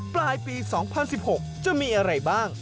ปลายปี๒๐๑๖จะมีอะไรบ้าง